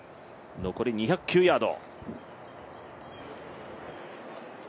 残り２０９ヤード。